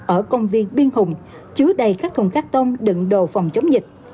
ở công viên biên hùng chứa đầy các thùng cắt tông đựng đồ phòng chống dịch